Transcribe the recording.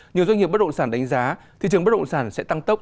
nhiều doanh nghiệp bất động sản đánh giá thị trường bất động sản sẽ tăng tốc